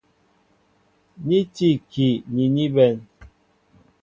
Ni tí ikii ni ní bɛ̌n.